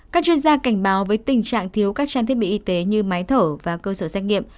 các chuyên gia cảnh báo với tình trạng thiếu các trang thiết bị y tế như máy thở và cơ sở xét nghiệm